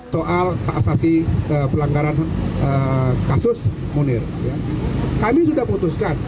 soal hak asasi pelanggaran kasus munir kami sudah memutuskan